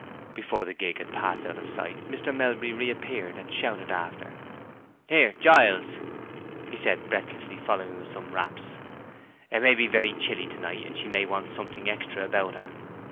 Before the gig had passed out of sight, Mr. Melbury reappeared and shouted after— "Here, Giles," he said, breathlessly following with some wraps, "it may be very chilly to night, and she may want something extra about her.